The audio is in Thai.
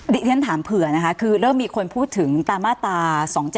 ที่ฉันถามเผื่อนะคะคือเริ่มมีคนพูดถึงตามมาตรา๒๗๒